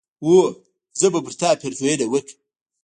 هو! زه به پر تا پيرزوينه وکړم